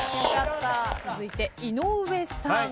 続いて井上さん。